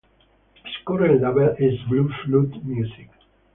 His current label is Blue Flute Music.